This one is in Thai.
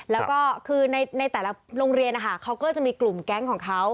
แล้วก็คือในแต่ละโรงเรียนนะคะเขาก็จะมีกลุ่มแก๊งของเขา